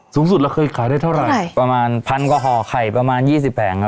สูงสุดเราเคยขายได้เท่าไหร่ประมาณพันกว่าห่อไข่ประมาณยี่สิบแผงครับ